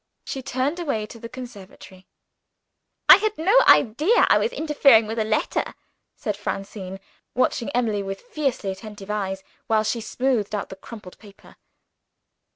She turned away to the conservatory. "I had no idea I was interfering with a letter," said Francine; watching Emily with fiercely attentive eyes, while she smoothed out the crumpled paper.